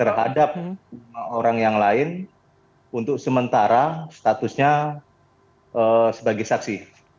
terhadap lima orang yang lain untuk sementara statusnya sebagai saksi